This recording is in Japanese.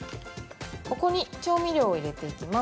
ここに調味料を入れていきます。